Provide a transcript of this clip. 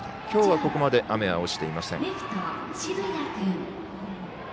今日はここまで雨は落ちていません。